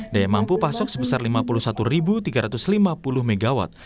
daya mampu pasok sebesar lima puluh satu tiga ratus lima puluh mw